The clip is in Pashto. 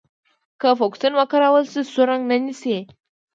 که فوکسین وکارول شي سور رنګ نیسي.